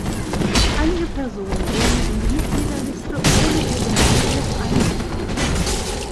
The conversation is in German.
Einige Personen wurden in die Mitgliederliste ohne deren Kenntnis eingetragen.